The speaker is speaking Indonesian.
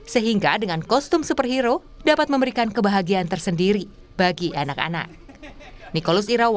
sehingga dengan kostum superhero dapat memberikan kebahagiaan tersendiri bagi anak anak